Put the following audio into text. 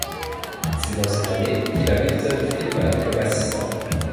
C'est dans ces années qu'il a Milton Friedman comme assistant.